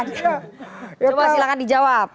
coba silahkan dijawab